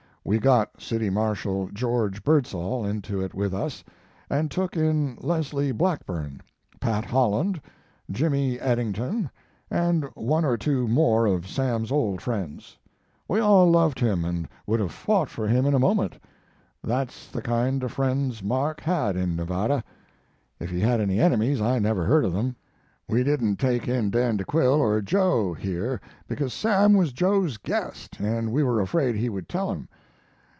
We got City Marshal George Birdsall into it with us, and took in Leslie Blackburn, Pat Holland, Jimmy Eddington, and one or two more of Sam's old friends. We all loved him, and would have fought for him in a moment. That's the kind of friends Mark had in Nevada. If he had any enemies I never heard of them. "We didn't take in Dan de Quille, or Joe here, because Sam was Joe's guest, and we were afraid he would tell him.